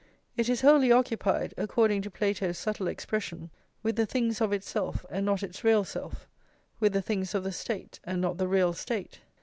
It is wholly occupied, according to Plato's subtle expression, with the things of itself and not its real self, with the things of the State and not the real State.